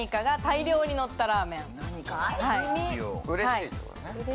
うれしいってことだね？